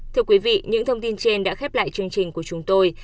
thưa quý vị những thông tin trên đã khép lại chương trình của chúng tôi